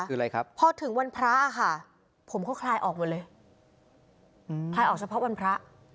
คืออะไรครับพอถึงวันพระค่ะผมเขาคลายออกหมดเลยคลายออกเฉพาะวันพระ